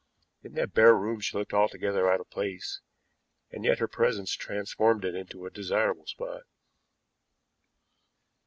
In that bare room she looked altogether out of place, and yet her presence transformed it into a desirable spot.